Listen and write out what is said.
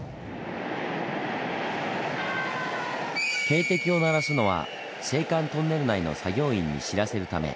警笛を鳴らすのは青函トンネル内の作業員に知らせるため。